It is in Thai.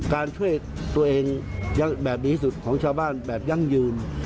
การช่วยตัวเองแบบดีที่สุดของชาวบ้านแบบยั่งยืน